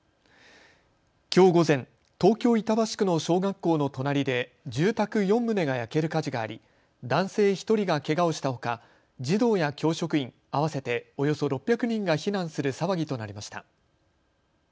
きょう午前、東京板橋区の小学校の隣で住宅４棟が焼ける火事があり男性１人がけがをしたほか児童や教職員合わせておよそ６００人が避難する騒ぎとなりました。